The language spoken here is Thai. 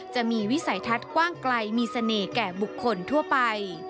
วิสัยทัศน์กว้างไกลมีเสน่ห์แก่บุคคลทั่วไป